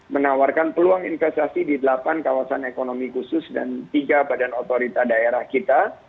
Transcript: menawarkan peluang investasi di delapan kawasan ekonomi khusus dan tiga badan otorita daerah kita